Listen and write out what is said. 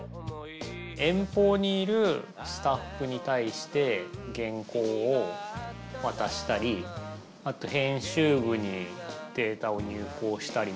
遠方にいるスタッフに対して原稿をわたしたりあと編集部にデータを入稿したりも。